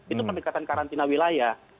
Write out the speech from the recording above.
itu pendekatan karantina wilayah